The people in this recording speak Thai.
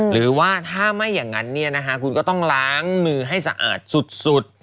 หรือว่าถ้าไม่อย่างนั้นคุณก็ต้องล้างมือให้สะอาดสุด